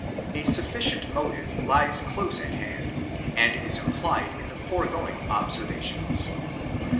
A sufficient motive lies close at hand, and is implied in the foregoing observations.